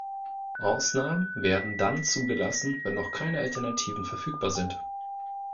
Ausnahmen werden dann zugelassen, wenn noch keine Alternativen verfügbar sind.